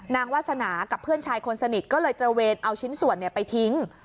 นางวาสนากับเพื่อนชายคนสนิทก็เลยเตรเวณเอาชิ้นสวนเนี่ยไปทิ้ง